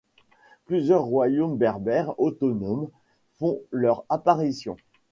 Plusieurs royaumes berbères autonomes font leur apparition.